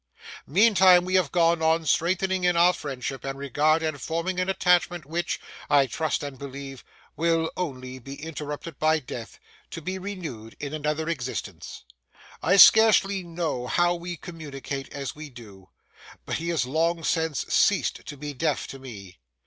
Meantime we have gone on strengthening in our friendship and regard and forming an attachment which, I trust and believe, will only be interrupted by death, to be renewed in another existence. I scarcely know how we communicate as we do; but he has long since ceased to be deaf to me.